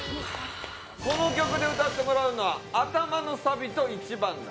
この曲で歌ってもらうのは頭のサビと１番だ。